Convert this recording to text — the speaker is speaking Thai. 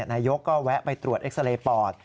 นายกก็แวะไปตรวจเอ็กซาเรย์ปอด